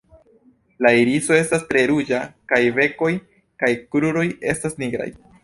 La iriso estas tre ruĝa kaj bekoj kaj kruroj estas nigraj.